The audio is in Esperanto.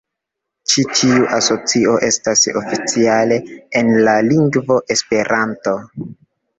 Ĉi-tiu asocio estas oficiale en la lingvo "Esperanto".